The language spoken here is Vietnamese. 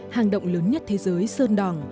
hàng động lớn nhất thế giới sơn đỏng